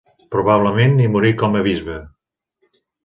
Probablement, hi morí com a bisbe.